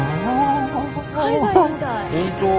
海外みたい。